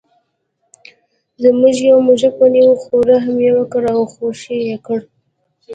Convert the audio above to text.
زمري یو موږک ونیو خو رحم یې وکړ او خوشې یې کړ.